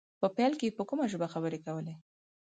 په پيل کې يې په کومه ژبه خبرې کولې.